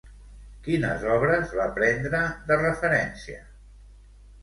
Quines obres va prendre de referència?